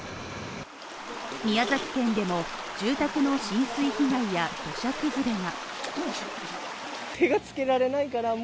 宮崎県でも、住宅の浸水被害や土砂崩れが。